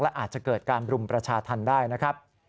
และอาจจะเกิดการบรุมประชาธรรมได้นะครับ